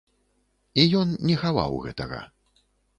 І ён не хаваў гэтага.